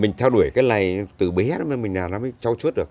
mình theo đuổi cái này từ bé đó mình làm nó mới trau chuốt được